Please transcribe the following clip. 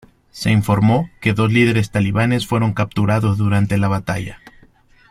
Se informó que dos líderes talibanes fueron capturados durante la batalla.